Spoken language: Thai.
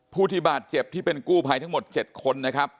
ผู้ที่บาดเจ็บที่เป็นกู้ภัยทั้งหมด๗คนนะครับ